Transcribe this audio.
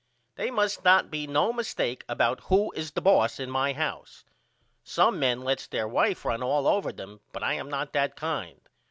They must not be no mistake about who is the boss in my house. Some men lets their wife run all over them but I am not that kind.